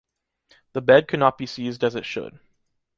The bed could not be seized as it should.